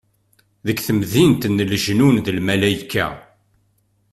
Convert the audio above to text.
Deg temdint n lejnun d lmalayka.